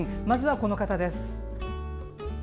まずはこの方です。